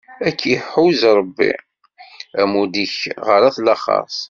Ad ihuzz Ṛebbi, amud-ik ɣer at laxeṛt!